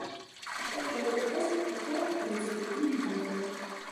Што трэба для поспеху, я, у прынцыпе, і не ведаю.